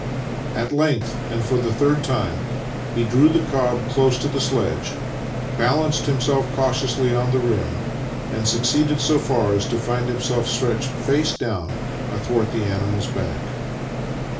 At length, and for the third time, he drew the cob close to the sledge, balanced himself cautiously on the rim, and succeeded so far as to find himself stretched face downv^^ards athwart the animal's back.